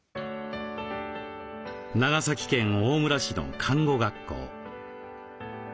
長崎県大村市の看護学校。